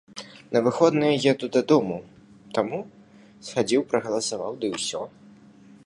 На выходныя еду дадому, таму схадзіў прагаласаваў, ды і ўсё.